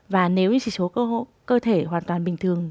và nếu như chỉ số cơ thể hoàn toàn bình thường